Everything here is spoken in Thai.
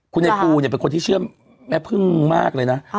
คุณไอปูเนี่ยเป็นคนที่เชื่อแม่พึ่งมากเลยนะ